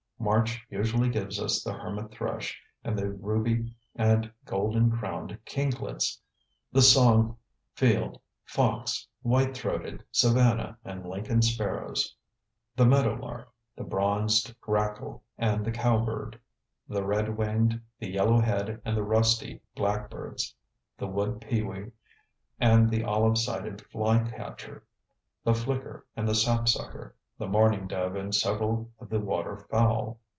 March usually gives us the hermit thrush and the ruby and golden crowned kinglets; the song, field, fox, white throated, Savannah and Lincoln sparrows; the meadow lark, the bronzed grackle and the cowbird; the red winged, the yellow head and the rusty blackbirds; the wood pewee and the olive sided flycatcher; the flicker and the sap sucker, the mourning dove and several of the water fowl.